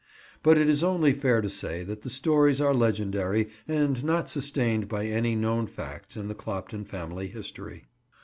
But it is only fair to say that the stories are legendary and not sustained by any known facts in the Clopton family history.